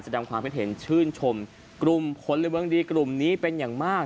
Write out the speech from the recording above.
จะดำความให้เห็นชื่นชมกลุ่มคนละเวิร์นดีกลุ่มนี้เป็นอย่างมาก